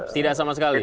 tidak sama sekali